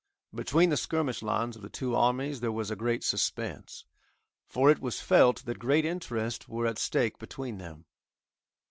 Between the skirmish lines of the two armies there was a great suspense, for it was felt that great interest were at stake between them.